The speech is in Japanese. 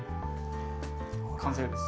完成です。